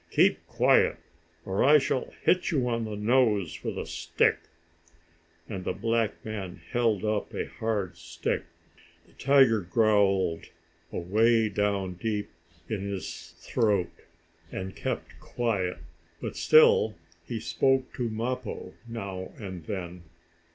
"Keep quiet, or I shall hit you on the nose with a stick," and the black man held up a hard stick. The tiger growled, away down deep in his throat, and kept quiet. But still he spoke to Mappo, now and then.